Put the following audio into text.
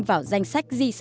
vào danh sách di sản văn hóa